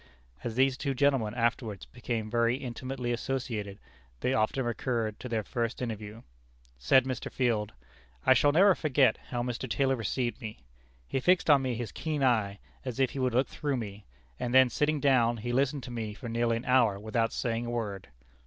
As these two gentlemen afterwards became very intimately associated, they often recurred to their first interview. Said Mr. Field: "I shall never forget how Mr. Taylor received me. He fixed on me his keen eye, as if he would look through me: and then, sitting down, he listened to me for nearly an hour without saying a word."